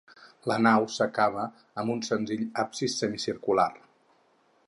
La nau s'acaba amb un senzill absis semicircular.